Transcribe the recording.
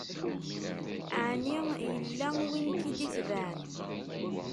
Ɛni yella win k-id-itebɛen